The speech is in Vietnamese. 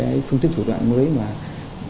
và những phương thức của người đầu tư